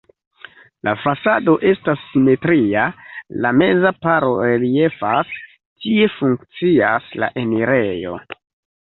La fasado estas simetria, la meza paro reliefas, tie funkcias la enirejo.